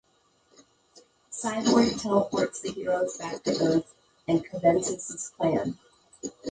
Cyborg teleports the heroes back to Earth and commences his plan.